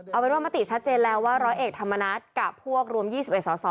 เอาเป็นว่ามติชัดเจนแล้วว่าร้อยเอกธรรมนัฐกับพวกรวม๒๑สส